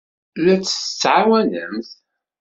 La t-tettɛawanemt?